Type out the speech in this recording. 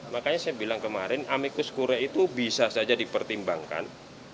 makanya saya bilang kemarin amicus korea itu bisa saja dipertimbangkan